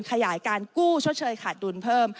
ขยายการกู้ชดเชยขาดดุลเพิ่ม